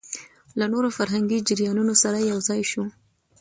له نورو فرهنګي جريانونو سره يوځاى شو